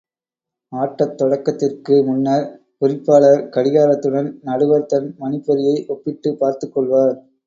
ஆட்டத் தொடக்கத்திற்கு முன்னர் குறிப்பாளர் கடிகாரத்துடன், நடுவர் தன் மணிப்பொறியை ஒப்பிட்டுப் பார்த்துக் கொள்வார்.